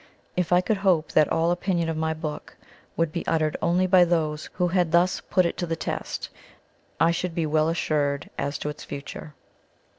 If I could hope that all opinion of my book would be uttered only by those who had thus put it to the test, I should be well assured as to its future.